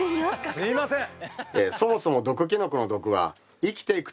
すいません！